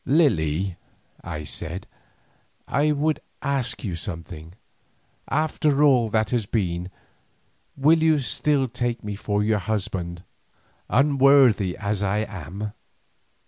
"Lily," I said, "I would ask you something. After all that has been, will you still take me for your husband, unworthy as I am?"